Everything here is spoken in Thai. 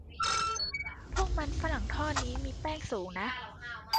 พวกมันฝรั่งทอดนี่มีแป้งสูงนะ